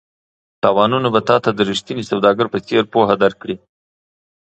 تاوانونه به تا ته د ریښتیني سوداګر په څېر پوهه درکړي.